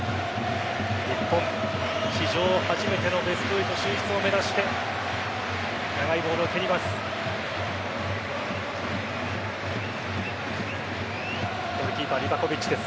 日本史上初めてのベスト８進出を目指して長いボールを蹴ります。